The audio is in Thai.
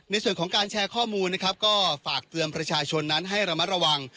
ในส่วนของการแชร์ข้อมูลนะครับก็ฝากเตือนประชาชนนั้นให้ระมัดระวัง